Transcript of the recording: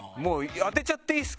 当てちゃっていいですか？